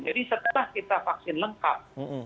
jadi setelah kita vaksin lengkap